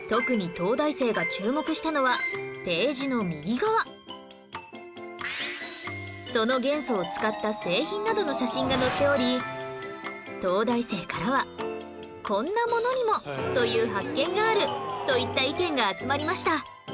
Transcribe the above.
特にその元素を使った製品などの写真が載っており東大生からは「こんなものにも！」という発見があるといった意見が集まりました